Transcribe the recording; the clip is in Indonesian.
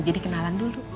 jadi kenalan dulu